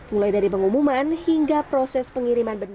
mulai dari pengumuman hingga proses pengiriman benda